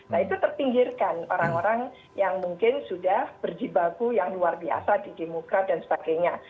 nah itu terpinggirkan orang orang yang mungkin sudah berjibaku yang luar biasa di demokrat dan sebagainya